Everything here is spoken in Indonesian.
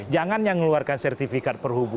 jangan yang ngeluarkan sertifikasi